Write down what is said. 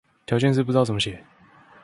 條件式不知道怎麼寫